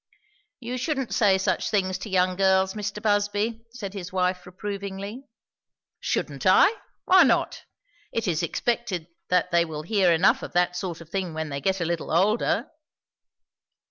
"You shouldn't say such things to young girls, Mr. Busby," said his wife reprovingly. "Shouldn't I? Why not? It is expected that they will hear enough of that sort of thing when they get a little older."